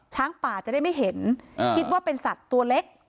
ช้างป่าจะได้ไม่เห็นคิดว่าเป็นสัตว์ตัวเล็ก